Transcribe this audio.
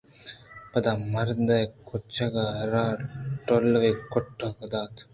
پدا مردءَ کُچّکءَرا ٹِلّوئِے گُٹّءَدات